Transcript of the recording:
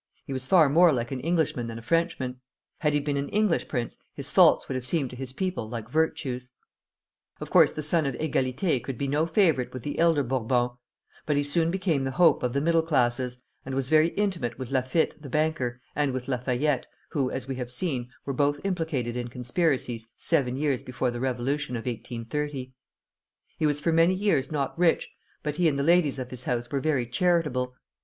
He was far more like an Englishman than a Frenchman. Had he been an English prince, his faults would have seemed to his people like virtues. Of course the son of Égalité could be no favorite with the elder Bourbons; but he soon became the hope of the middle classes, and was very intimate with Laffitte the banker, and with Lafayette, who, as we have seen, were both implicated in conspiracies seven years before the Revolution of 1830. He was for many years not rich, but he and the ladies of his house were very charitable.